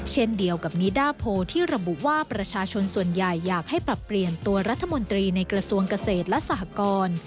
เช่นเดียวกับนิดาโพที่ระบุว่าประชาชนส่วนใหญ่อยากให้ปรับเปลี่ยนตัวรัฐมนตรีในกระทรวงเกษตรและสหกร